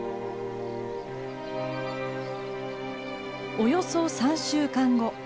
およそ３週間後。